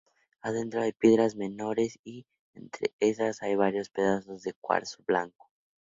Adentro hay piedras menores y entre esas hay varios pedazos de cuarzo blanco.